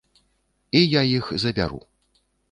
І я іх забяру.